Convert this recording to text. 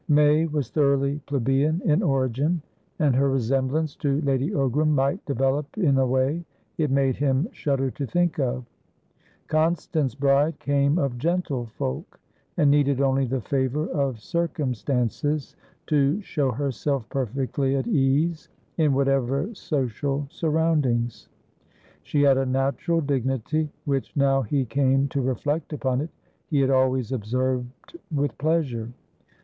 May was thoroughly plebeian in origin, and her resemblance to Lady Ogram might develop in a way it made him shudder to think of. Constance Bride came of gentlefolk, and needed only the favour of circumstances to show herself perfectly at ease in whatever social surroundings. She had a natural dignity, which, now he came to reflect upon it, he had always observed with pleasure.